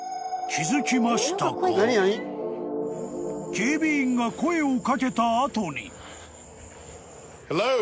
［警備員が声を掛けた後に］